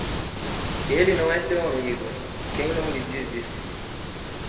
Ele não é seu amigo, quem não lhe diz isso.